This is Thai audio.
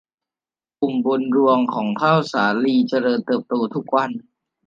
ปุ่มบนรวงของข้าวสาลีเจริญเติบโตทุกวัน